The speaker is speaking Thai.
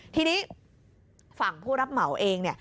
ทีนี้ฝั่งผู้รับเหมาเอง